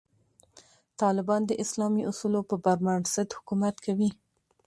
طالبان د اسلامي اصولو پر بنسټ حکومت کوي.